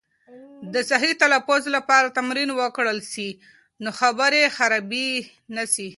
د صحیح تلفظ لپاره تمرین وکړل سي، نو خبرې خرابې نه سي.